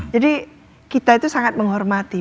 jadi kita itu sangat menghormati